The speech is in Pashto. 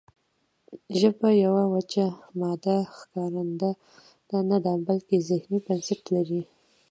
ژبه یوه وچه مادي ښکارنده نه ده بلکې ذهني بنسټ لري